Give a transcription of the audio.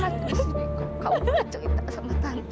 tante disini kok kamu mau cerita sama tante